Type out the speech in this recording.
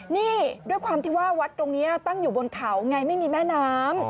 นี่ด้วยความที่ว่าวัดตรงนี้ตั้งอยู่บนเขาไงไม่มีแม่น้ำ